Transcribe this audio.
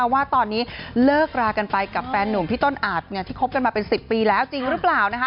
ว่าตอนนี้เลิกรากันไปกับแฟนหนุ่มพี่ต้นอาจที่คบกันมาเป็น๑๐ปีแล้วจริงหรือเปล่า